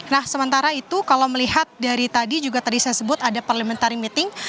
nah sementara itu kalau melihat dari tadi juga tadi saya sebut ada parliamentary meeting